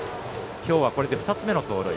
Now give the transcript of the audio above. きょうはこれで２つ目の盗塁。